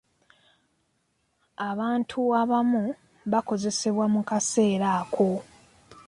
Abantu abamu baakosebwa mu kaseera ako .